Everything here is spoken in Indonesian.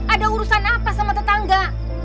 ada urusan apa sama tetangga